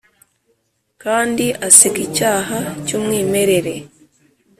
kandi aseka icyaha cy'umwimerere.